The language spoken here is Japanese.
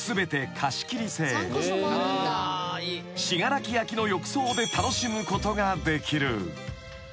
［信楽焼の浴槽で楽しむことができる］